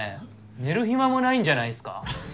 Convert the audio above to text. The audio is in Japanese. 寝る暇もないんじゃないっすか？